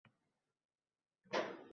Unga boshqa sifat kerakmas.